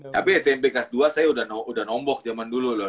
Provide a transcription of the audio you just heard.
tapi smp khas dua saya udah nombok jaman dulu loh